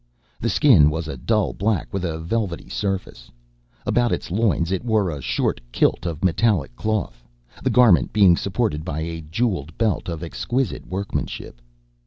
The skin was a dull black, with a velvety surface. About its loins it wore a short kilt of metallic cloth, the garment being supported by a jeweled belt of exquisite workmanship.